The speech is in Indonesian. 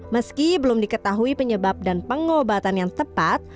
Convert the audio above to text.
meski belum diketahui penyebab dan pengobatan yang tepat